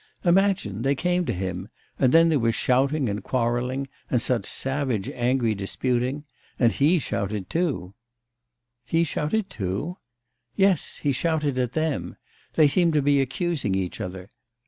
Imagine, they came to him and then there was shouting and quarrelling, and such savage, angry disputing.... And he shouted too.' 'He shouted too?' 'Yes. He shouted at them. They seemed to be accusing each other.